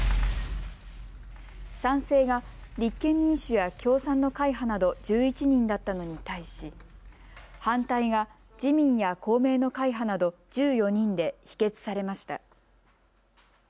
賛成が立憲民主や共産の会派など１１人だったのに対し反対が、自民や公明の会派など１４人で否決されました。